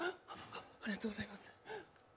ありがとうございます。